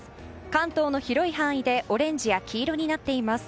関東の広い範囲でオレンジや黄色になっています。